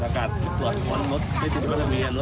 มันไม่เคยมีหรอกที่ต่างมาตั้งหน้าสนามมันไม่เคยมี